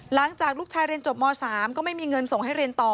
หลังจากลูกชายเรียนจบม๓ก็ไม่มีเงินส่งให้เรียนต่อ